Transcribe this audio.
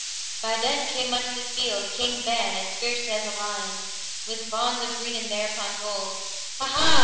By then came into the field King Ban as fierce as a lion, with bands of green and thereupon gold. Ha! a!